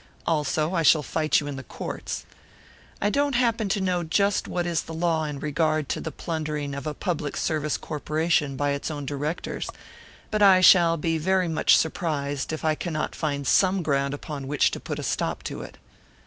Also, I shall fight you in the courts. I don't happen to know just what is the law in regard to the plundering of a public service corporation by its own directors, but I shall be very much surprised if I cannot find some ground upon which to put a stop to it.